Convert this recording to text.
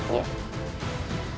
gusti siluwangi pun telah melihat